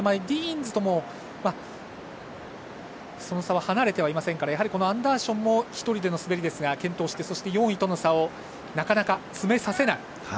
ディギンズともその差は離れていませんからやはりアンダーションも１人での滑りですが健闘してそして４位との差をなかなか詰めさせない。